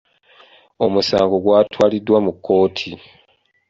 Omusango gwatwaliddwa mu kkooti.